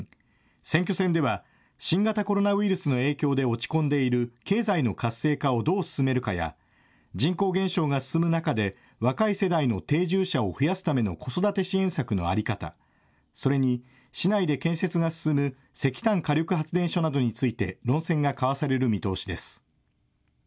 選挙戦では、新型コロナウイルスの影響で落ち込んでいる経済の活性化をどう進めるかや、人口減少が進む中で、若い世代の定住者を増やすための子育て支援策の在り方、それに、市内で建設が進む石炭火力発電所などについて論戦が交わされる見通しです。